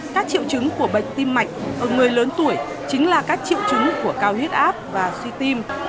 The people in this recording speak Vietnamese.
các triệu chứng của bệnh tim mạch ở người lớn tuổi chính là các triệu chứng của cao huyết áp và suy tim